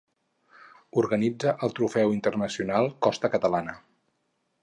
Organitza el trofeu internacional Costa Catalana.